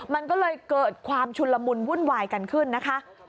มันก็เลยเกิดความชุนละมุนวุ่นวายกันขึ้นนะคะ